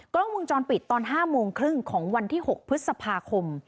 กล้องวงจรปิดตอน๕โมงครึ่งของวันที่๖พฤษภาคม